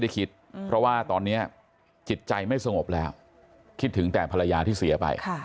ก็ใจขาดเนี่ย